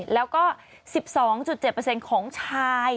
แล้วก็๑๒๗ของชาย